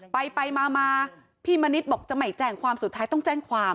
ไปไปมาพี่มณิษฐ์บอกจะไม่แจ้งความสุดท้ายต้องแจ้งความ